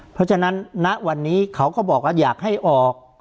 เพราะฉะนั้นณวันนี้เขาก็บอกว่าอยากให้ออก